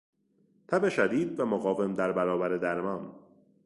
تب شدید و مقاوم در برابر درمان